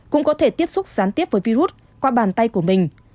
cũng có thể tiếp xúc sán tiếp với virus qua bàn tay của mình